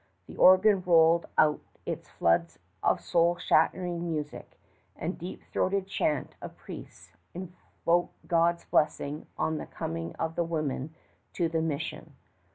The organ rolled out its floods of soul shattering music, and deep throated chant of priests invoked God's blessing on the coming of the women to the mission.